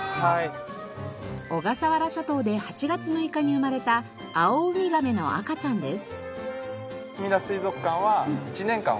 小笠原諸島で８月６日に生まれたアオウミガメの赤ちゃんです。